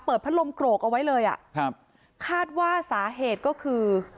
พัดลมโกรกเอาไว้เลยอ่ะครับคาดว่าสาเหตุก็คือ